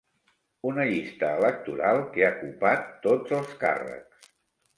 Una llista electoral que ha copat tots els càrrecs.